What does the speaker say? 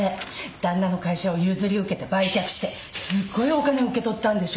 旦那の会社を譲り受けて売却してすごいお金を受け取ったんでしょ。